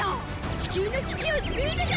地球の危機を救うのだ！